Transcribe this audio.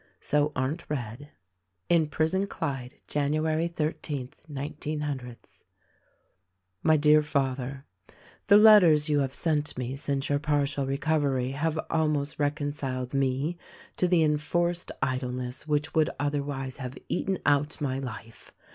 So Arndt read : In prison, Clyde, "My Dear Father: January 13, 19 — "The letters you have sent me since your partial recovery have almost reconciled me to the enforced idleness which would otherwise have eaten out my life.